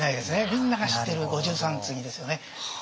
みんなが知ってる五十三次ですよね。